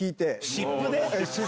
湿布で。